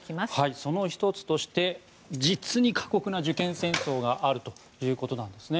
その１つとして実に過酷な受験戦争があるということです。